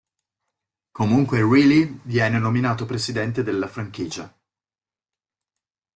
Comunque Riley viene nominato presidente della franchigia.